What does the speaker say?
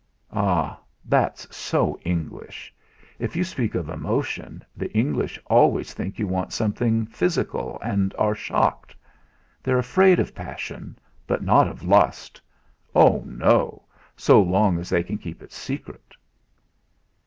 "Ah! That's so English! If you speak of emotion the English always think you want something physical, and are shocked. They're afraid of passion, but not of lust oh, no! so long as they can keep it secret."